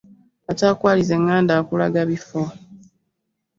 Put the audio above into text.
Ataakwalize ŋŋanda akulaga bifo.